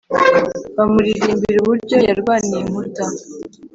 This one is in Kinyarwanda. bamuririmba uburyo yarwaniye inkuta